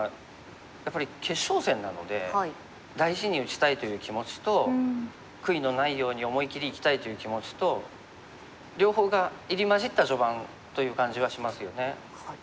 やっぱり決勝戦なので大事に打ちたいという気持ちと悔いのないように思い切りいきたいという気持ちと両方が入り交じった序盤という感じはしますよね。